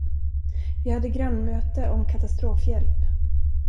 Vi hade grannmöte om katastrofhjälp.